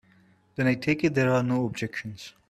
Then I take it there are no objections.